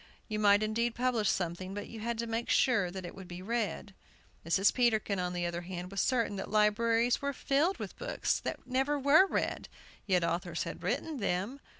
You might indeed publish something, but you had to make sure that it would be read. Mrs. Peterkin, on the other hand, was certain that libraries were filled with books that never were read, yet authors had written them.